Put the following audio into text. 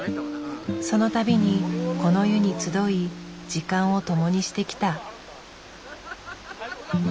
その度にこの湯に集い時間をともにしてきた。